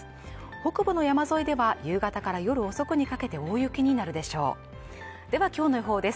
北部の山沿いでは夕方から夜遅くにかけて大雪になるでしょうではきょうの予報です